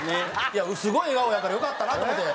いやすごい笑顔やからよかったなと思って。